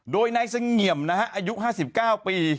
โดยนายเสงี่ยมนะฮะอายุ๕๙ปี